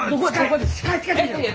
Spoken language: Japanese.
近い！